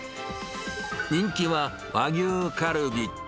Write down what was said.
人気は和牛カルビ。